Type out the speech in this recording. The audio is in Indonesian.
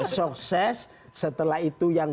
sukses setelah itu yang